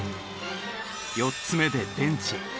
４つ目でベンチへ。